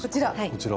こちら。